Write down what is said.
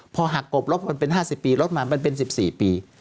พอหักกบลดมา๕๐ปีลดมาเป็นประมาณ๑๔ปี